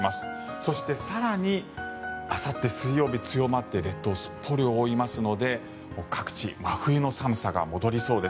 そして、更にあさって水曜日、強まって列島をすっぽり覆いますので各地真冬の寒さが戻りそうです。